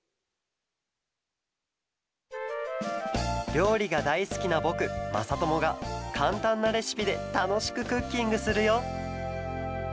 りょうりがだいすきなぼくまさともがかんたんなレシピでたのしくクッキングするよ